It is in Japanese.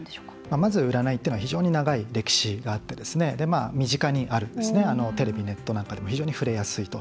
まず、占いというのは非常に長い歴史があって身近にあるテレビ、ネットでも非常に触れやすいと。